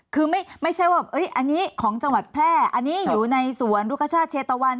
คือไม่ใช่ว่าอันนี้ของจังหวัดแพร่อันนี้อยู่ในสวนรุคชาติเชตะวัน